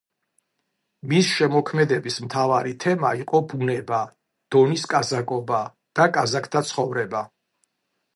მის შემოქმედების მთავარი თემა იყო ბუნება, დონის კაზაკობა და კაზაკთა ცხოვრება.